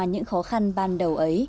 những khó khăn ban đầu ấy